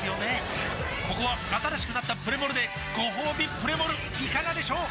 ここは新しくなったプレモルでごほうびプレモルいかがでしょう？